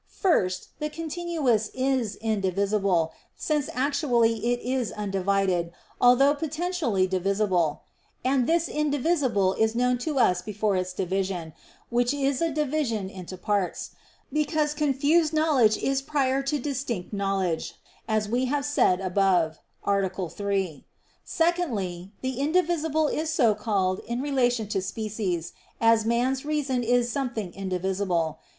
First, the continuous is indivisible, since actually it is undivided, although potentially divisible: and this indivisible is known to us before its division, which is a division into parts: because confused knowledge is prior to distinct knowledge, as we have said above (A. 3). Secondly, the indivisible is so called in relation to species, as man's reason is something indivisible.